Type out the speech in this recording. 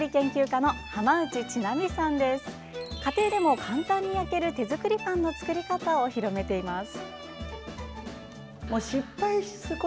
家庭でも簡単に焼ける手作りパンの作り方を広めています。